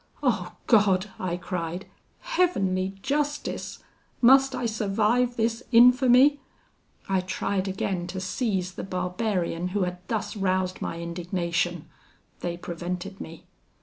'Oh God!' I cried 'Heavenly justice! Must I survive this infamy?' I tried again to seize the barbarian who had thus roused my indignation they prevented me.